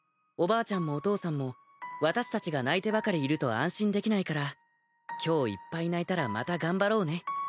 「おばあちゃんもお父さんも私たちが泣いてばかりいると安心できないから今日いっぱい泣いたらまた頑張ろうね。